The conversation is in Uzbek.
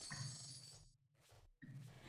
Adogi kurinmas ximmatingizni